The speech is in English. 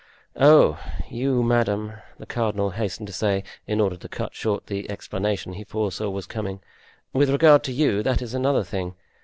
"Oh, you, madame," the cardinal hastened to say, in order to cut short the explanation he foresaw was coming, "with regard to you, that is another thing.